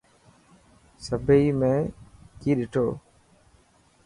سڀني ۾ ڪئي ڏٺو.